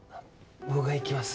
僕が行きます。